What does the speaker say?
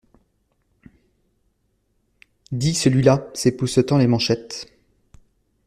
Dit celui-là, s'époussetant les manchettes.